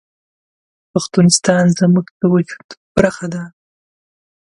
پښتونستان زموږ د وجود برخه ده